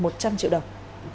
một trăm linh triệu đồng